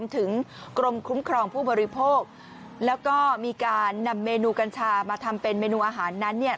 ถึงกรมคุ้มครองผู้บริโภคแล้วก็มีการนำเมนูกัญชามาทำเป็นเมนูอาหารนั้นเนี่ย